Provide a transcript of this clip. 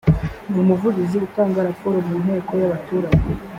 n umuvugizi atanga raporo mu nteko yabaturage